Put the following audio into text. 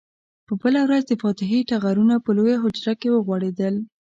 په بله ورځ د فاتحې ټغرونه په لویه حجره کې وغوړېدل.